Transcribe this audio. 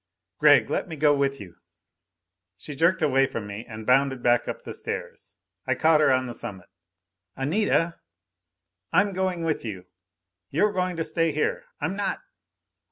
"Gregg, let me go with you." She jerked away from me and bounded back up the stairs. I caught her on the summit. "Anita!" "I'm going with you." "You're going to stay here." "I'm not!"